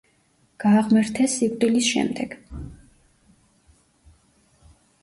გააღმერთეს სიკვდილის შემდეგ.